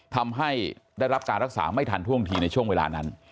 ทำให้ได้รับการรักษาไม่ทันท่วงทีในช่วงเวลานั้น